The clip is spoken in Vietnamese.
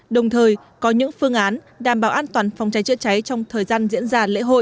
đồng thời có những phương án đảm bảo an toàn phòng cháy chữa cháy trong thời gian diễn ra lễ hội